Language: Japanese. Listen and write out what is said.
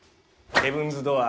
ヘブンズ・ドアー。